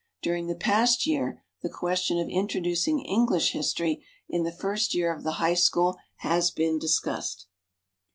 During the past year the question of introducing English history in the first year of the high school has been discussed.